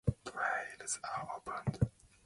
Trains are operated by London Overground.